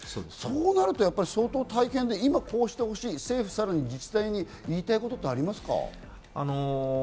そうなると相当大変で、今こうしてほしい、政府自治体に言いたいことはありますか？